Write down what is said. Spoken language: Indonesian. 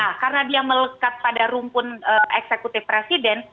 nah karena dia melekat pada rumpun eksekutif presiden